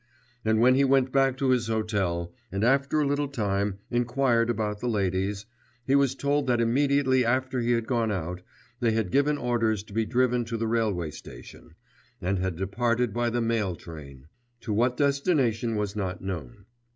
And when he went back to his hotel, and after a little time inquired about the ladies, he was told that immediately after he had gone out, they had given orders to be driven to the railway station, and had departed by the mail train to what destination was not known.